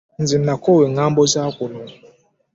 Nze nakoowa eŋŋambo za kuno.